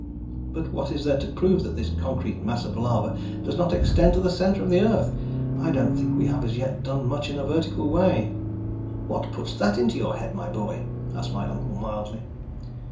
"But what is there to prove that this concrete mass of lava does not extend to the centre of the earth? I don't think we have as yet done much in a vertical way." "What puts that into your head, my boy?" asked my uncle mildly.